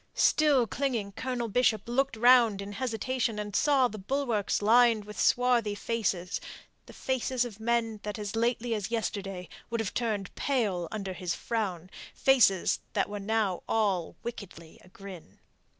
Still clinging, Colonel Bishop looked round in hesitation, and saw the bulwarks lined with swarthy faces the faces of men that as lately as yesterday would have turned pale under his frown, faces that were now all wickedly agrin.